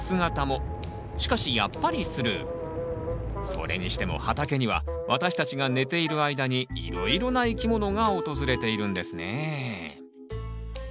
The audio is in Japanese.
それにしても畑には私たちが寝ている間にいろいろな生き物が訪れているんですね。